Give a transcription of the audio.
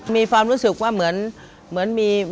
มีหลานชายคนหนึ่งเขาไปสื่อจากคำชโนธ